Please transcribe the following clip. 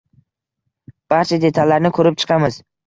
Barcha detallarni ko‘rib chiqamiz